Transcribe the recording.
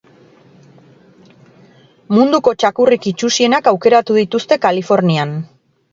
Munduko txakurrik itsusienak aukeratu dituzte Kalifornian